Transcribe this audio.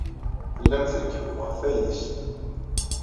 Tellam trekkbem ɣef wayis.